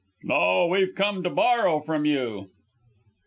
"No! We've come to borrow from you!"